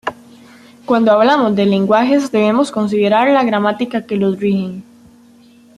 Cuando hablamos de lenguajes debemos considerar la gramática que los rigen.